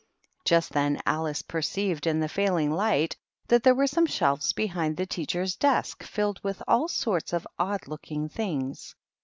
Just then Alice perceived in the failing light that there were some shelves behind the teacher's desk filled with all sorts of odd looking things.